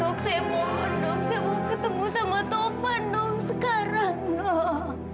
dokter saya mau ketemu sama taufan sekarang dokter